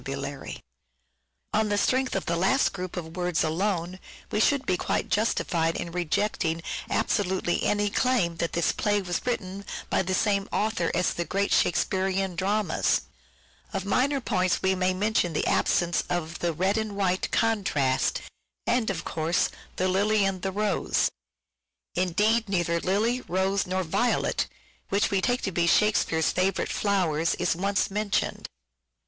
On the strength of the last group of words alone General we should be quite justified in rejecting absolutely Vocabulai7 any claim that this play was written by the same author as the great Shakespearean dramas. Of minor points we may mention the absence of the " red and white " contrast, and, of course, the " lily and the rose." Indeed, neither lily, rose, nor violet, which we take to be Shakespeare's favourite flowers, is once mentioned.